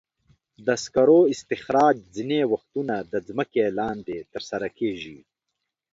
د سکرو استخراج ځینې وختونه د ځمکې لاندې ترسره کېږي.